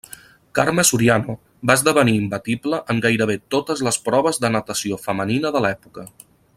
Carme Soriano va esdevenir imbatible en gairebé totes les proves de natació femenina de l’època.